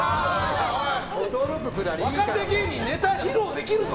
若手芸人ネタ披露できるぞ。